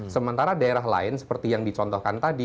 sementara daerah lain seperti yang dicontohkan tadi